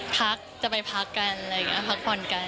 พักจะไปพักกันอะไรอย่างนี้พักผ่อนกัน